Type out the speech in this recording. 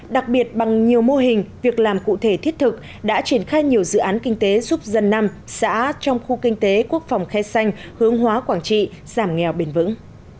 đặc biệt bằng nhiều mô hình việc làm cụ thể thiết thực đã triển khai nhiều dự án kinh tế giúp dân năm xã trong khu kinh tế quốc phòng khe xanh hướng hóa quảng trị giảm nghèo bền vững